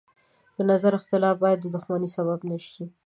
د نظر اختلاف باید د دښمنۍ سبب نه شي.